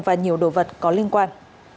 và nhiều đồ vật có liên quan